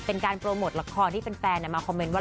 เป็นการโปรโมทละครที่แฟนมาคอมเมนต์ว่า